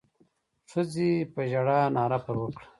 ښځې په ژړا ناره پر وکړه.